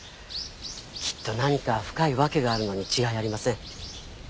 きっと何か深い訳があるのに違いありません